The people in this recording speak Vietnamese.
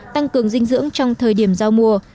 tăng cường dinh dưỡng trong thời điểm giao mùa